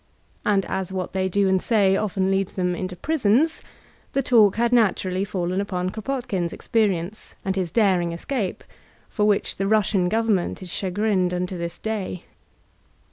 And as what they do and say often leads them into prisons, the talk had naturally faOcn upon Kropotkin's experience and his daring escape^ for which the Russian government is chagrined unto this day.